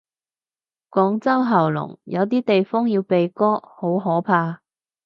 廣州喉嚨，有啲地方要鼻哥，好可怕。